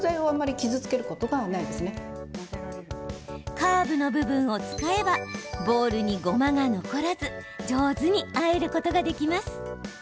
カーブの部分を使えばボウルに、ごまが残らず上手にあえることができます。